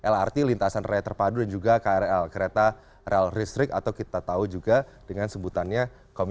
lrt lintasan raya terpadu dan juga krl kereta rel listrik atau kita tahu juga dengan sebutannya